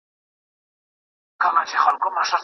لکه سپر د خوشحال خان وم